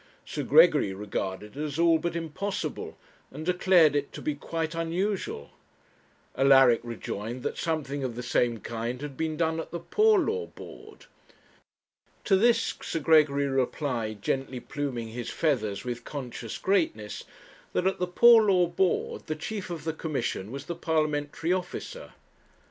Sir Gregory regarded it as all but impossible, and declared it to be quite unusual. Alaric rejoined that something of the same kind had been done at the Poor Law Board. To this Sir Gregory replied, gently pluming his feathers with conscious greatness, that at the Poor Law Board the chief of the Commission was the Parliamentary officer.